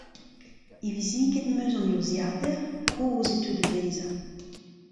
Hizivaet 'm eus an urzhiataer, kozh e teu da vezañ.